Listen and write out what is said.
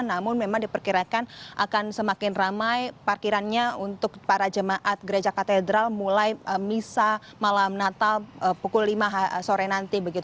namun memang diperkirakan akan semakin ramai parkirannya untuk para jemaat gereja katedral mulai misa malam natal pukul lima sore nanti